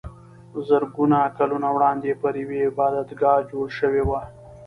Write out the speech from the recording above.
زرګونه کلونه وړاندې پرې یوه عبادتګاه جوړه شوې وه.